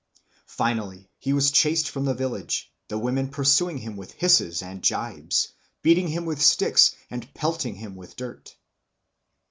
Finally he was chased from the village, the women pursuing him with hisses and gibes, beating him with sticks, and pelting him with dirt.